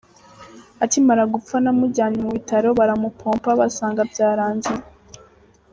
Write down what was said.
Akimara gupfa namujyanye mu bitaro baramupompa basanga byarangiye’’.